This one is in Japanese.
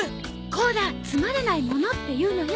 コラッつまらないものって言うのよ。